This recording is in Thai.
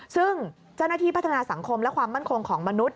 ซึ่งเจ้าหน้าที่พัฒนาสังคมและความมั่นคงของมนุษย